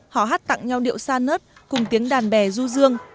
họ hát tặng nhau điệu sa nớt cùng tiếng đàn bè du dương